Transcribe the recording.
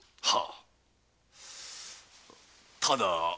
ただ。